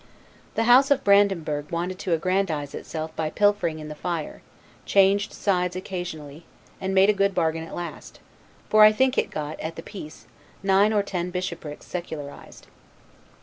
The House of Brandenburg wanted to aggrandize itself by pilfering in the fire; changed sides occasionally, and made a good bargain at last; for I think it got, at the peace, nine or ten bishoprics secularized.